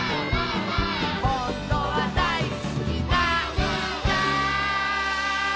「ほんとはだいすきなんだ」